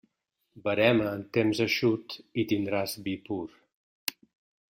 Verema en temps eixut i tindràs vi pur.